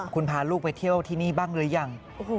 คุณพาลูกไปเที่ยวที่นี่บ้างหรือยัง